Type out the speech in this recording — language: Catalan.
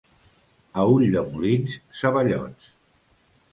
A Ulldemolins, ceballots.